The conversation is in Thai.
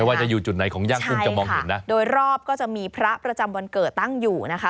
ว่าจะอยู่จุดไหนของย่างกุ้งจะมองเห็นนะโดยรอบก็จะมีพระประจำวันเกิดตั้งอยู่นะคะ